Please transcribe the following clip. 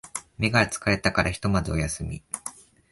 目が疲れたからひとまずお休み